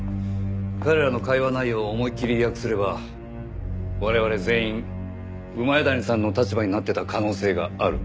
彼らの会話内容を思いっきり意訳すれば我々全員谷さんの立場になってた可能性がある。